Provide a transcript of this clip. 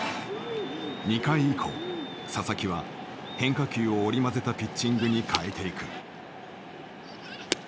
２回以降佐々木は変化球を織り交ぜたピッチングに変えていく。